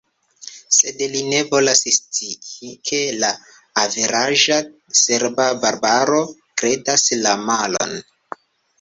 Sed li ne volas scii, ke la averaĝa serba barbaro kredas la malon.